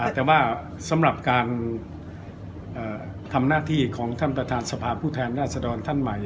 แต่ว่าสำหรับการทำหน้าที่ของท่านประธานสภาพผู้แทนราชดรท่านใหม่